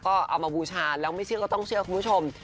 ก็เอามาบูชาแล้วไม่เชื่อก็ต้องเชื่อคุณผู้ชม